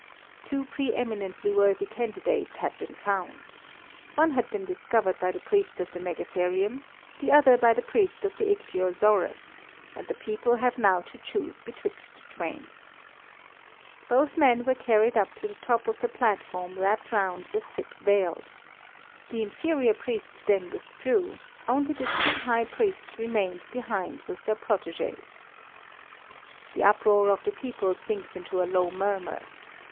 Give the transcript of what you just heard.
Two pre eminently worthy candidates had been found. One had been discovered by the priest of the megatherium, the other by the priest of the ichthyosaurus, and the people have now to choose betwixt the twain. Both men were carried up to the top of the platform wrapped round with thick veils. The inferior priests then withdrew; only the two high priests remained behind with their protégés. The uproar of the people sinks into a low murmur.